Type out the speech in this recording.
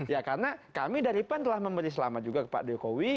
ya karena kami dari pan telah memberi selamat juga ke pak jokowi